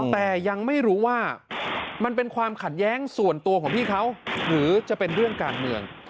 แต่ยังไม่รู้ว่ามันเป็นความขัดแย้งส่วนตัวของพี่เขาหรือจะเป็นเรื่องการเมือง